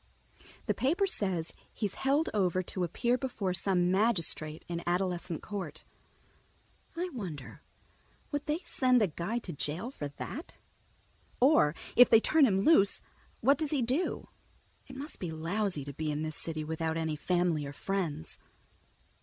The paper says he's held over to appear before some magistrate in Adolescent Court. I wonder, would they send a guy to jail for that? Or if they turn him loose, what does he do? It must be lousy to be in this city without any family or friends.